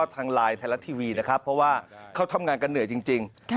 ทางไลน์ไทยรัฐทีวีนะครับเพราะว่าเขาทำงานกันเหนื่อยจริง